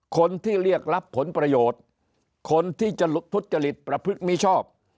คนที่เรียกรับผลประโยชน์คนที่จะทุจริตประพฤติมิชอบ